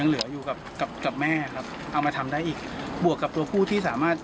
เอามาทำได้อีกบวกกับตัวผู้ที่สามารถ